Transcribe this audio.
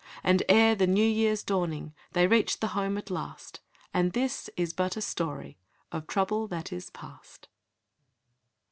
And ere the new year's dawning They reached the home at last; And this is but a story Of trouble that is past!